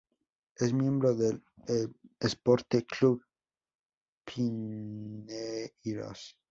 Es miembro del Esporte Clube Pinheiros.